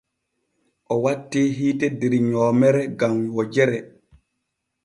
O wattii hiite der nyoomere gam wojere.